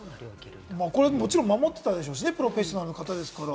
もちろん守ってたでしょうしね、プロフェッショナルな方ですから。